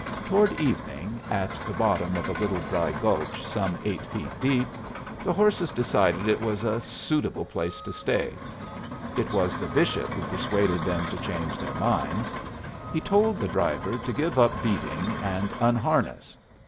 Toward evening, at the bottom of a little dry gulch some eight feet deep, the horses decided it was a suitable place to stay. It was the bishop who persuaded them to change their minds. He told the driver to give up beating, and unharness.